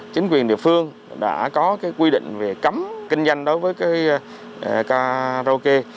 chính quyền địa phương đã có quy định về cấm kinh doanh đối với karaoke